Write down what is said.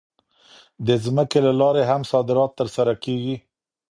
د ځمکې له لارې هم صادرات ترسره کېږي.